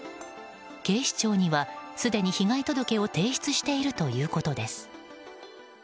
警視庁にはすでに被害届を提出しているということです。